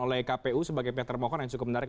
oleh kpu sebagai pihak termohon yang cukup menarik